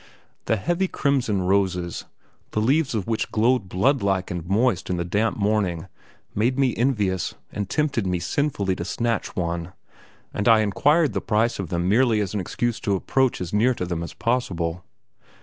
The heavy crimson roses the leaves of which glowed blood like and moist in the damp morning made me envious, and tempted me sinfully to snatch one, and I inquired the price of them merely as an excuse to approach as near to them as possible.